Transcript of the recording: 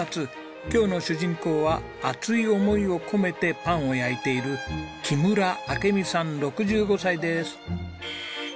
今日の主人公は熱い思いを込めてパンを焼いている木村明美さん６５歳です。